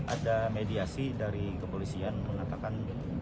ada mediasi dari kepolisian mengatakan